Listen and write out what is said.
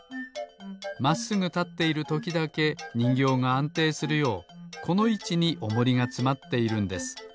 まっすぐたっているときだけにんぎょうがあんていするようこのいちにおもりがつまっているんです。